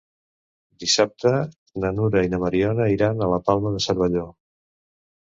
Dissabte na Nura i na Mariona iran a la Palma de Cervelló.